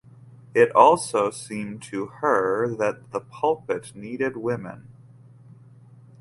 It also seemed to her that the pulpit needed women.